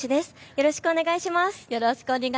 よろしくお願いします。